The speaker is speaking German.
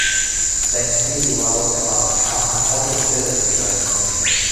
Sein Credo war laut der HfK „an Ort und Stelle zu zeichnen“.